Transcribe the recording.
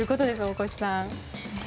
大越さん。